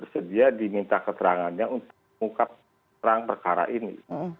sedia diminta keterangannya untuk mengungkap perang perkara ini